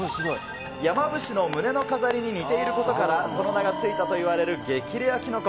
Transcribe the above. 山伏の胸の飾りに似ていることから、その名が付いたといわれる激レアキノコ。